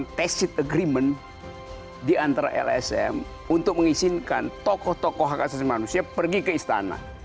ada tacit agreement diantara lsm untuk mengizinkan tokoh tokoh hak asasi manusia pergi ke istana